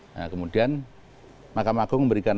nah kemudian mahkamah agung memberikan